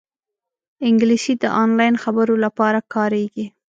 انګلیسي د آنلاین خبرو لپاره کارېږي